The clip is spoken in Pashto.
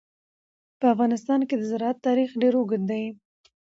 په افغانستان کې د زراعت تاریخ ډېر اوږد دی.